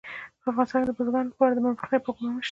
په افغانستان کې د بزګانو لپاره دپرمختیا پروګرامونه شته.